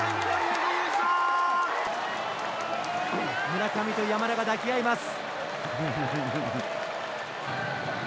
村上と山田が抱き合います。